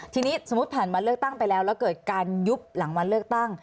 ทีนี้สมมุติผ่านวันเลือกตั้งไปแล้วแล้วเกิดการยุบหลังวันเลือกตั้ง